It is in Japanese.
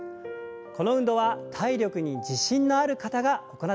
この運動は体力に自信のある方が行ってください。